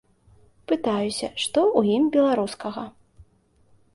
Пытаюся, што ў ім беларускага.